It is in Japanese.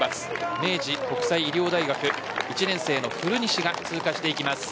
明治国際医療大学１年生の古西が通過していきます。